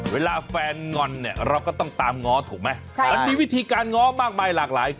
เวลาแฟนงอนเนี่ยเราก็ต้องตามง้อถูกไหมมันมีวิธีการง้อมากมายหลากหลาย